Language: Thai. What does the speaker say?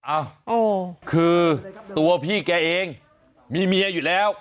อ้าวคือตัวพี่แกเองมีเมียอยู่แล้ว